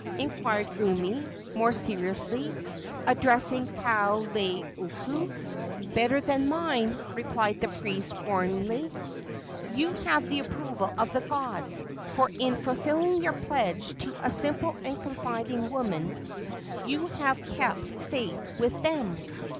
inquired Umi, more seriously, addressing Kaoleioku. "Better than mine," replied the priest, warmly: "you have the approval of the gods; for in fulfilling your pledge to a simple and confiding woman you have kept faith with them."